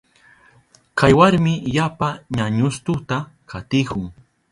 Kay warmi yapa ñañustuta takihun.